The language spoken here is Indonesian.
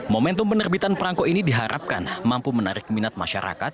momentum penerbitan perangko ini diharapkan mampu menarik minat masyarakat